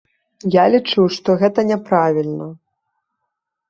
Я лічу, што гэта няправільна.